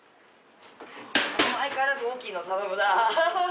相変わらず大きいの頼むな。